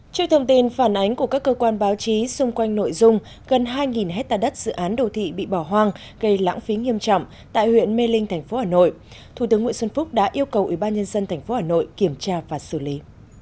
trên thông tin phản ánh của các cơ quan báo chí xung quanh nội dung gần hai hectare đất dự án đồ thị bị bỏ hoang gây lãng phí nghiêm trọng tại huyện mê linh tp hà nội thủ tướng nguyễn xuân phúc đã yêu cầu ủy ban nhân dân tp hà nội kiểm tra và xử lý